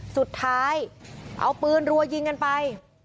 สุดท้ายเอาปืนรัวยิงกันไป